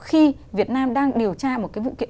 khi việt nam đang điều tra một vụ kiện